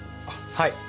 はい。